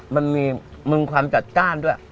มันมีมึงความจัดจ้านด้วย